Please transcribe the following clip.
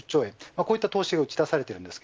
こういった投資を打ち出されています。